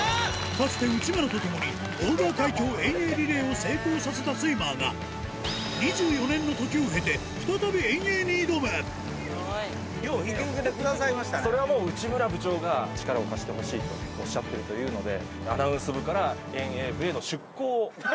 かつて内村と共にドーバー海峡遠泳リレーを成功させたスイマーがそれはもう内村部長が「力を貸してほしい」とおっしゃってるというので。